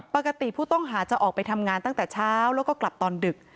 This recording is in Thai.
ปกติผู้ต้องหาจะออกไปทำงานตั้งแต่เช้าแล้วก็กลับตอนดึก